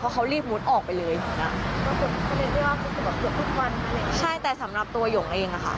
เพราะเขารีบมูลออกไปเลยใช่แต่สำหรับตัวยงเองอ่ะค่ะ